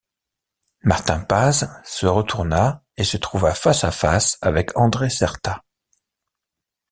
Martin Paz se retourna et se trouva face à face avec André Certa.